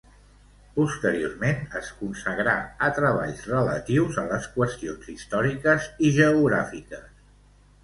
Posteriorment es consagrà a treballs relatius a les qüestions històriques i geogràfiques.